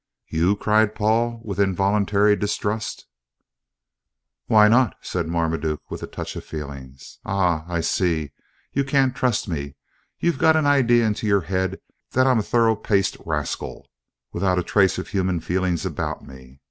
"You!" cried Paul, with involuntary distrust. "Why not?" said Marmaduke, with a touch of feeling. "Ah, I see, you can't trust me. You've got an idea into your head that I'm a thorough paced rascal, without a trace of human feeling about me.